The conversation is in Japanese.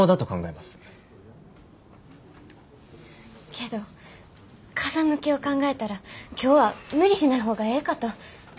けど風向きを考えたら今日は無理しない方がええかと。